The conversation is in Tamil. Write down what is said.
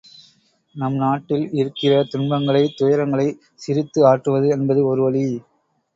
நம் நாட்டில் இருக்கிற துன்பங்களை, துயரங்களைச் சிரித்து ஆற்றுவது என்பது ஒரு வழி.